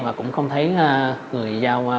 và cũng không thấy người giao